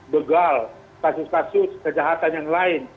begal kasus kasus kejahatan yang lain